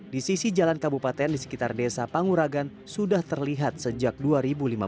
di sisi jalan kabupaten di sekitar desa panguragan sudah terlihat sejarah